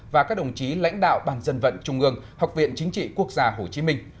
và các đồng chí lãnh đạo ban dân vận trung ương học viện chính trị quốc gia hồ chí minh